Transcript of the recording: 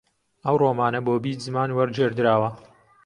ئەو ڕۆمانە بۆ بیست زمان وەرگێڕدراوە